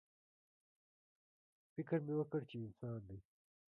_فکر مې وکړ چې انسان دی.